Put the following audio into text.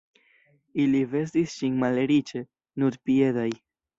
Ili vestis sin malriĉe, nudpiedaj.